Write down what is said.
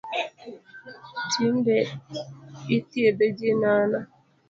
Tinde ithiedho ji nono